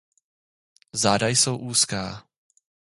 Záda jsou úzká.